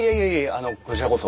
あのこちらこそ。